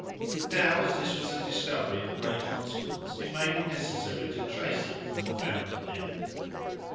Now, as this was a discovery of great consequence, it may be necessary to trace it from the fountain head.